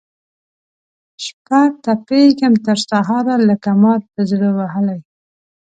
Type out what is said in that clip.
شپه تپېږم تر سهاره لکه مار پر زړه وهلی